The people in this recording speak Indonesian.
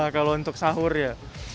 kalau untuk sahur ya